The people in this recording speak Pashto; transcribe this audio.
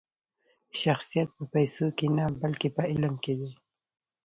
شخصیت په پیسو کښي نه؛ بلکي په علم کښي دئ.